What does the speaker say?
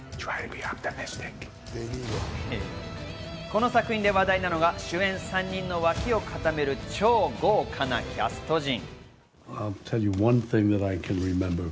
この作品で話題なのが主演３人の脇を固める超豪華なキャスト陣。